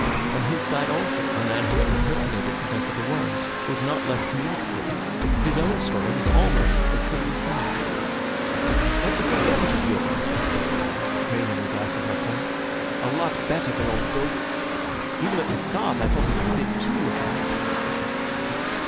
On his side, also, the man who had impersonated Professor de Worms was not less communicative. His own story was almost as silly as Syme's. "That's a good get up of yours," said Syme, draining a glass of Macon; "a lot better than old Gogol's. Even at the start I thought he was a bit too hairy."